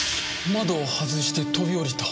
窓を外して飛び降りた？